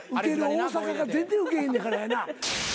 大阪が全然ウケへんねやからやな。